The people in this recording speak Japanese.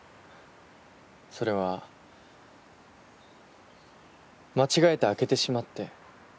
それは間違えて開けてしまって。